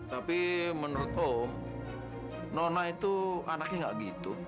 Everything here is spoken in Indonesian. tapi menurut om nona itu anaknya nggak gitu